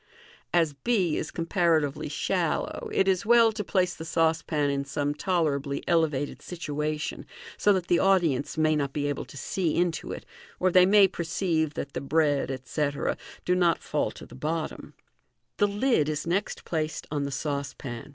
As b is com patatwe\y shallow, it is well to place the saucepan in some tolerably Fig. 150. MODERN MAGIC. 315 elevated situation, so that the audience may not be able to see into it, or they may perceive that the bread, etc., do not fall to the bottom. The lid is next placed on the saucepan.